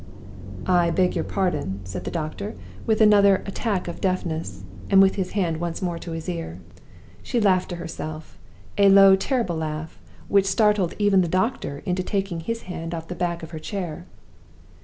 "I beg your pardon," said the doctor, with another attack of deafness, and with his hand once more at his ear. She laughed to herself a low, terrible laugh, which startled even the doctor into taking his hand off the back of her chair.